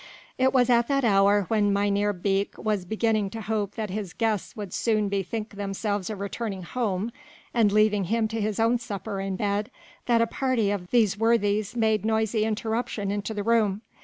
It was at the hour when Mynheer Beek was beginning to hope that his guests would soon bethink themselves of returning home and leaving him to his own supper and bed, that a party of these worthies made noisy interruption into the room.